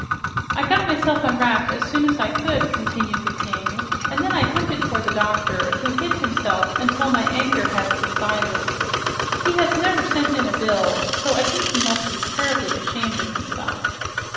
"I got myself unwrapped as soon as I could," continued the King, "and then I hunted for the doctor, who hid himself until my anger had subsided. He has never sent in a bill, so I think he must be terribly ashamed of himself."